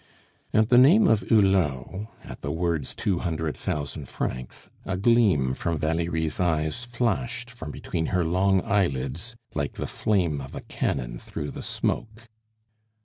At the name of Hulot, at the words two hundred thousand francs, a gleam from Valerie's eyes flashed from between her long eyelids like the flame of a cannon through the smoke.